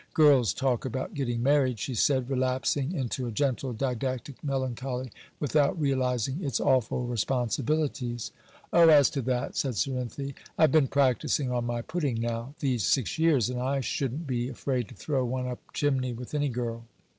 Girls talk about getting married,' she said, relapsing into a gentle didactic melancholy, 'without realizing its awful responsibilities.' 'Oh! as to that,' said Cerinthy, 'I've been practising on my pudding now these six years, and I shouldn't be afraid to throw one up chimney with any girl.